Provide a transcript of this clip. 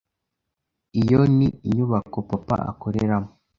Iyo ni inyubako papa akoreramo.